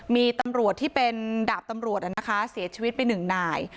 มีตำรวจที่เป็นดาบตำรวจนะคะเสียชีวิตไปหนึ่งนาย